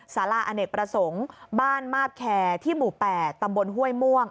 สาราอเนกประสงค์บ้านมาบแคร์ที่หมู่๘ตำบลห้วยม่วง